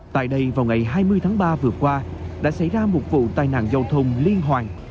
tại đây vào ngày hai mươi tháng ba vừa qua đã xảy ra một vụ tai nạn giao thông liên hoàn